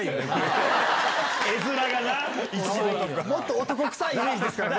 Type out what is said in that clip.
もっと男臭いイメージですからね。